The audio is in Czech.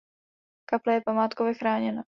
Kaple je památkově chráněna.